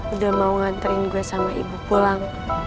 udah mau nganterin gue sama ibu pulang